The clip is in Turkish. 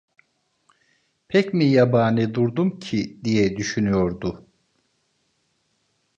"Pek mi yabani durdum ki?" diye düşünüyordu.